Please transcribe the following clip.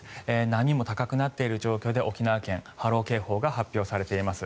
波も高くなっている状況で沖縄県、波浪警報が発表されています。